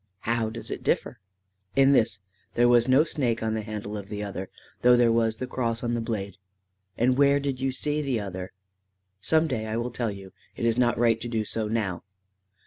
"How does it differ?" "In this. There was no snake on the handle of the other, though there was the cross on the blade." "And where did you see the other?" "Some day I will tell you. It is not right to do so now."